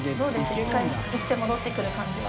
１回いって戻ってくる感じは。